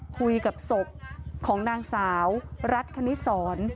คุยกับศพของนางสาวรัฐคณิสร